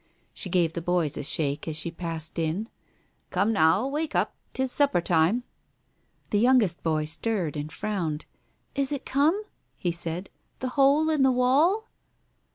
She gave the boys a shake as she passed in. "Come now, wake up ! 'Tis supper time !" The youngest boy stirred and frowned. " Is it come ?" he said— "the hole in the wall